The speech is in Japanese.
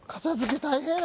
大変や